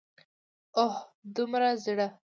اه! دومره زړه!